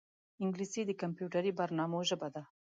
انګلیسي د کمپیوټري برنامو ژبه ده